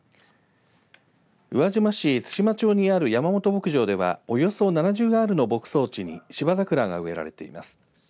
宇和島市津島町にある山本牧場ではおよそ７０アールの牧草地に芝桜が植えられています。